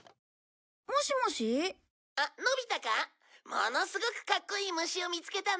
「ものすごくかっこいい虫を見つけたんだ」